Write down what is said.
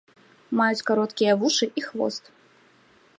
Маюць кароткія вушы і хвост.